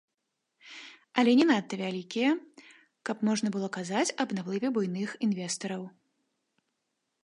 Але не надта вялікія, каб можна было казаць аб наплыве буйных інвестараў.